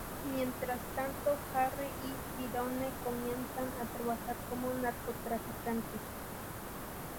Mientras tanto, Harry y Tyrone comienzan a trabajar como narcotraficantes.